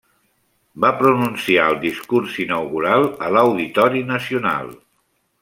Va pronunciar el discurs inaugural a l'Auditori Nacional.